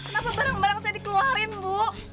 kenapa barang barang saya dikeluarin bu